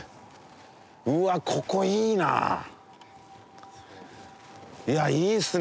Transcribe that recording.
うわっここいいないやいいっすね